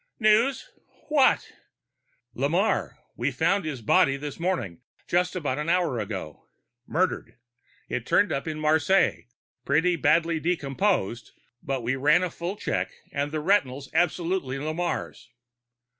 "News? What?" "Lamarre. We found his body this morning, just about an hour ago. Murdered. It turned up in Marseilles, pretty badly decomposed, but we ran a full check and the retinal's absolutely Lamarre's."